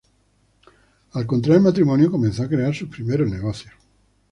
Al contraer matrimonio comenzó a crear sus primeros negocios.